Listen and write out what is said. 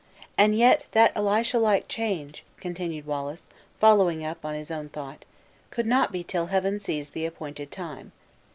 And yet, that Elisha like change," continued Wallace, following up on his own thought, "could not be till Heaven sees the appointed time.